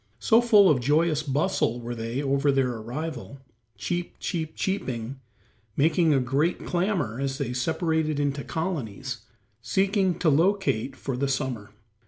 So full of joyous bustle they were over their arrival, "cheep, cheep, cheeping," making a great clamor as they separated into colonies, seeking to locate for the summer.